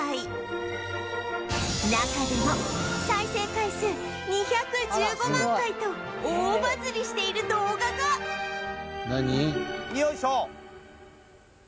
中でも再生回数２１５万回と大バズりしている動画が！よいしょ！